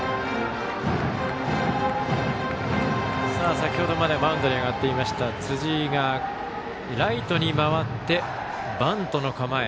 先程までマウンドに上がっていました辻井が、ライトに回ってバントの構え。